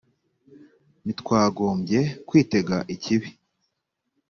ntitwagombye kwitega ikibi